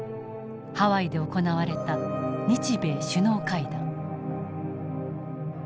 ハワイで行われた日米首脳会談。